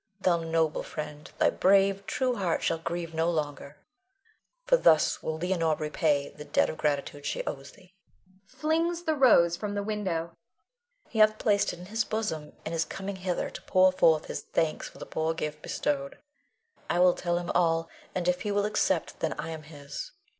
Thou noble friend, thy brave, true heart shall grieve no longer, for thus will Leonore repay the debt of gratitude she owes thee [flings the rose from the window]. He hath placed it in his bosom, and is coming hither to pour forth his thanks for the poor gift bestowed. I will tell him all, and if he will accept, then I am his.